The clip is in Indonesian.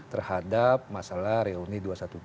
terhadap masalah reuni dua ratus dua belas